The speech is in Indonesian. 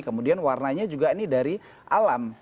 kemudian warnanya juga ini dari alam